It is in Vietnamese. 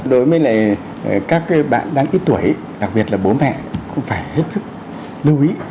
đối với các bạn đang ít tuổi đặc biệt là bố mẹ cũng phải hết sức lưu ý